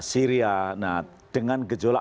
syria nah dengan gejolak